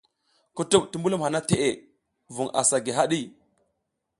Kutuɓ ti mbulum hana teʼe vun asa gi haɗi.